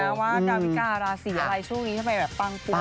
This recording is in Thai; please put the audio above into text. อยากพูดเหมือนกันนะว่าดาวิการาศีอะไรช่วงนี้ทำไมแบบปังปวดตลอดเลยนะครับ